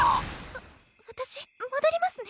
わ私戻りますね。